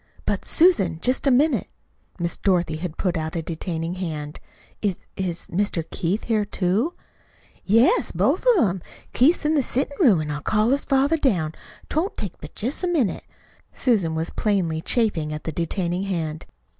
"But, Susan, just a minute!" Miss Dorothy had put out a detaining hand. "Is is Mr. Keith here, too?" "Yes, both of 'em. Keith is in the settin' room an' I'll call his father down. 'T won't take but jest a minute." Susan was plainly chafing at the detaining hand.